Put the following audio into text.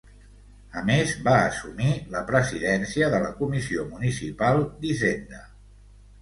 A més va assumir la Presidència de la Comissió Municipal d'Hisenda.